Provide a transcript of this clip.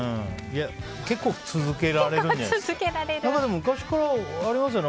結構続けられるんじゃないですか。ありますよね。